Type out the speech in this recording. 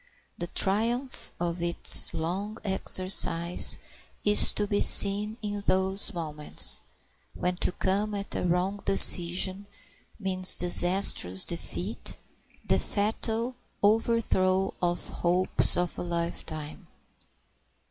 The triumph of its long exercise is to be seen in those moments when to come at a wrong decision means disastrous defeat, the fatal overthrow of the hopes of a life time.